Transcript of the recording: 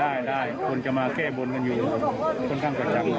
ได้ได้คนจะมาแก้บนกันอยู่ค่อนข้างประจำ